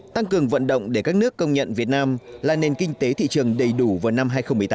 tăng cường vận động để các nước công nhận việt nam là nền kinh tế thị trường đầy đủ vào năm hai nghìn một mươi tám